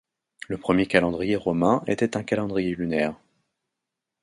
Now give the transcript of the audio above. Le premier calendrier romain était un calendrier lunaire.